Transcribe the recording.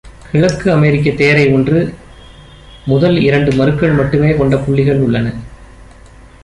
கிழக்கு அமெரிக்க தேரை ஒன்று முதல் இரண்டு மருக்கள் மட்டுமே கொண்ட புள்ளிகள் உள்ளன.